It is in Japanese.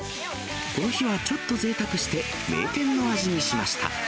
この日はちょっとぜいたくして、名店の味にしました。